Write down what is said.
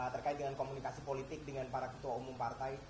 terkait dengan komunikasi politik dengan para ketua umum partai